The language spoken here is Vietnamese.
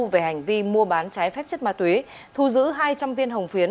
về hành vi mua bán trái phép chất ma túy thu giữ hai trăm linh viên hồng phiến